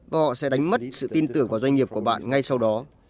và họ sẽ đánh mất sự tin tưởng vào doanh nghiệp của bạn ngay sau đó